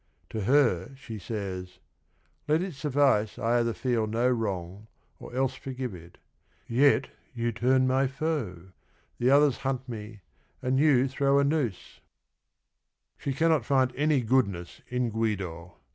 To her, she says : "Let it suffice I either feel no wrong Or else forgive it, — yet you turn my foe ! The others hunt me and you throw a noose 1 " 126 THE RING AND THE BOOK She cannot find any goodness in Guido.